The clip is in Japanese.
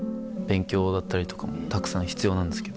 勉強だったりとかもたくさん必要なんですけどね。